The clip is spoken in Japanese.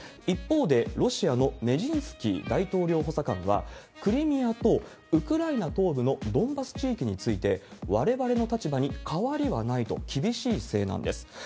一方で、ロシアのメジンスキー大統領補佐官は、クリミアとウクライナ東部のドンバス地域について、われわれの立場に変わりはないと、厳しい姿勢なんです。